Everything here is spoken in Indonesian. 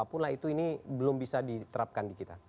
apapun lah itu ini belum bisa diterapkan di kita